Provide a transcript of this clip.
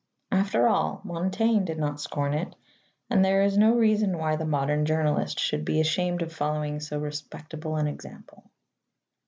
After all, Montaigne did not scorn it, and there is no reason why the modern journalist should be ashamed of following so respectable an example.